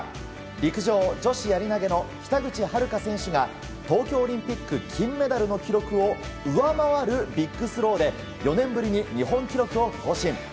陸上女子やり投げの北口榛花選手が東京オリンピック金メダルの記録を上回るビッグスローで４年ぶりに日本記録を更新。